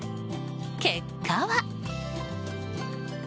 結果は。